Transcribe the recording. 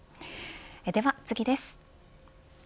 では次です。